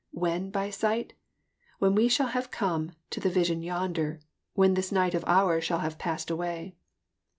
When by sight? When we shall have come to the vision yonder, when this night of ours shall have passed away."